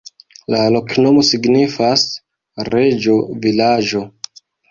La loknomo signifas: reĝo-vilaĝo.